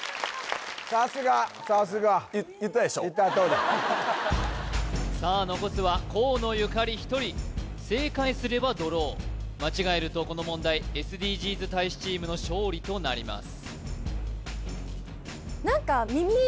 さすがさすがさあ残すは河野ゆかり１人正解すればドロー間違えるとこの問題ＳＤＧｓ大使チームの勝利となります